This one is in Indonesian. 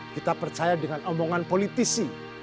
kita percaya dengan omongan politisi